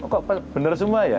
kok bener semua ya